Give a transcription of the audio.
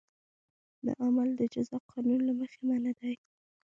دا عمل د جزا قانون له مخې منع دی.